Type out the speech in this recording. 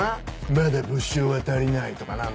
まだ物証が足りないとかなんとか。